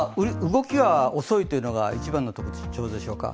動きが遅いというのが一番の特徴でしょうか。